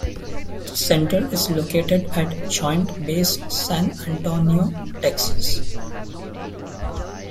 The center is located at Joint Base San Antonio, Texas.